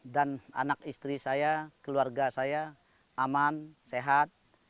dan anak istri saya keluarga saya aman sehat